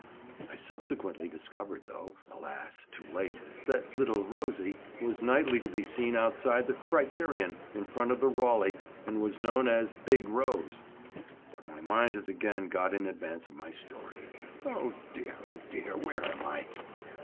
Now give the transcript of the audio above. I subsequently discovered—though, alas! too late—that 'little Rosie' was nightly to be seen outside the 'Criterion' and in front of the 'Raleigh,' and was known as 'big Rose.' But my mind has again got in advance of my story. Oh, dear! oh, dear! where am I?"